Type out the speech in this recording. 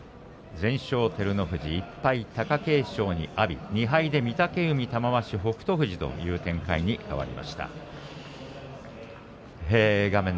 全勝照ノ富士、１敗貴景勝に阿炎２敗に御嶽海、玉鷲、北勝富士という展開に変わりました。